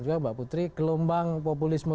juga mbak putri gelombang populisme